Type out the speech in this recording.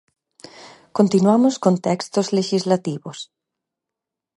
Continuamos con textos lexislativos.